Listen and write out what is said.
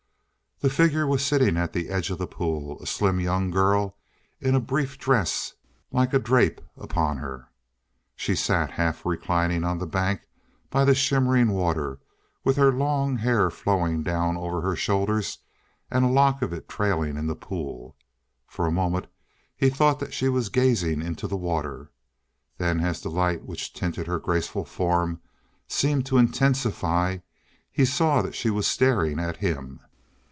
The figure was sitting at the edge of the pool a slim young girl in a brief dress like a drape upon her. She sat, half reclining on the bank by the shimmering water, with her long hair flowing down over her shoulders and a lock of it trailing in the pool. For a moment he thought that she was gazing into the water. Then as the light which tinted her graceful form seemed to intensify, he saw that she was staring at him.